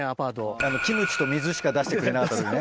あのキムチと水しか出してくれなかった時ね。